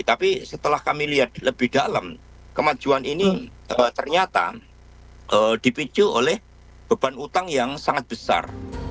tapi setelah kami lihat lebih dalam kemajuan ini ternyata dipicu oleh beban utang yang sangat besar